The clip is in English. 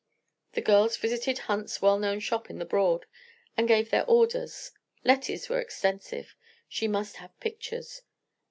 The girls visited Hunt's well known shop in the Broad and gave their orders. Lettie's were extensive. She must have pictures.